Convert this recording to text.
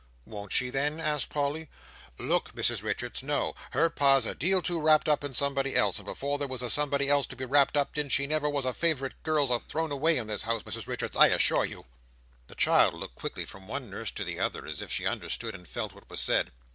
"Won't she then?" asked Polly. "Lork, Mrs Richards, no, her Pa's a deal too wrapped up in somebody else, and before there was a somebody else to be wrapped up in she never was a favourite, girls are thrown away in this house, Mrs Richards, I assure you." The child looked quickly from one nurse to the other, as if she understood and felt what was said.